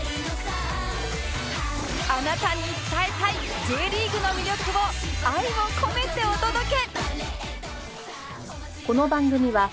あなたに伝えたい Ｊ リーグの魅力を愛を込めてお届け！